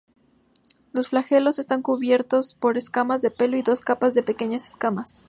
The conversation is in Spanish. Los flagelos están cubiertas por escamas de pelo y dos capas de pequeñas escamas.